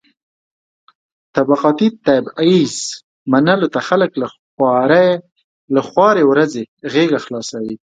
د طبقاتي تبعيض منلو ته خلک له خوارې ورځې غېږه خلاصوي.